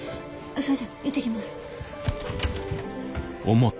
それじゃあ行ってきます。